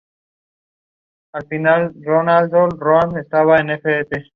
Al final de Randolph Road estaba el Ft.